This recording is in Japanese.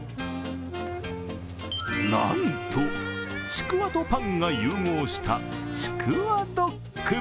なんと、ちくわとパンが融合したちくわドック。